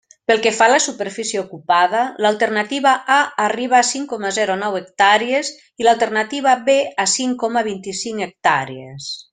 Pel que fa a la superfície ocupada, l'alternativa A arriba a cinc coma zero nou hectàrees, i l'alternativa B a cinc coma vint-i-cinc hectàrees.